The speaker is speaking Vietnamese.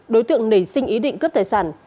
đối tượng nảy sinh ý định cướp tài sản